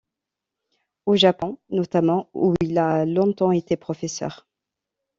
Au Japon, notamment, où il a longtemps été professeur.